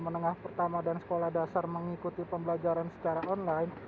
menengah pertama dan sekolah dasar mengikuti pembelajaran secara online